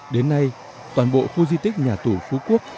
đến nay toàn bộ khu di tích nhà tù phú quốc